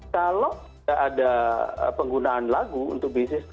kalau tidak ada penggunaan lagu untuk bisnis